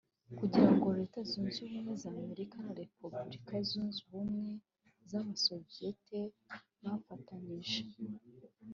kugira ngo Leta zunze ubumwe z’ America na Repubulika zunze ubumwe z’Abasoviyete bafatanyije